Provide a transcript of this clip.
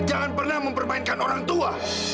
jangan pernah mempermainkan orang tua